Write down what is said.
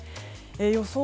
予想